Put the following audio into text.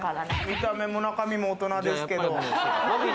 見た目も中身も大人ですけど。